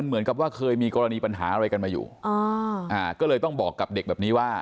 เหมือนกับว่าเคยมีกรณีปัญหาอะไรกันมาอยู่ก็เลยต้องบอกกับเด็กแบบนี้ว่า